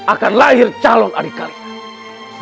akan lahir calon adik kalian